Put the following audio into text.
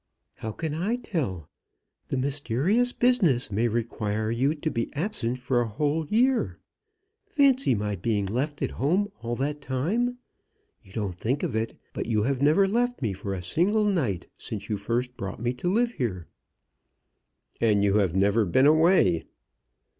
"How can I tell? The mysterious business may require you to be absent for a whole year. Fancy my being left at home all that time. You don't think of it; but you have never left me for a single night since you first brought me to live here." "And you have never been away."